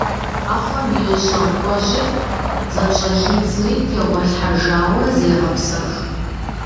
Ӏэхъуэм и щӏакӏуэжьыр зыпщӏэхидзри тегъуэлъхьэжауэ зегъэпсэху.